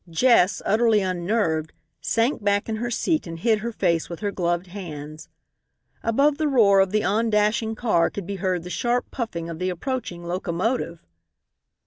Jess, utterly unnerved, sank back in her seat and hid her face with her gloved hands. Above the roar of the on dashing car could be heard the sharp puffing of the approaching locomotive.